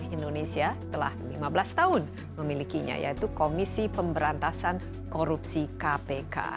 indonesia telah lima belas tahun memilikinya yaitu komisi pemberantasan korupsi kpk